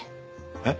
えっ？